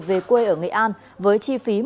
về quê ở nghệ an với chi phí